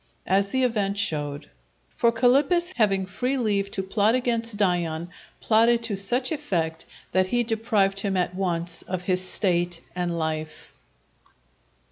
As the event showed. For Calippus having free leave to plot against Dion, plotted to such effect, that he deprived him at once of his State and life.